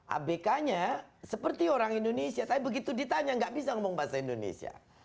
abk nya seperti orang indonesia tapi begitu ditanya nggak bisa ngomong bahasa indonesia